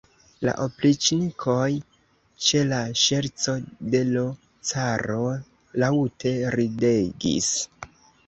La opriĉnikoj, ĉe la ŝerco de l' caro, laŭte ridegis.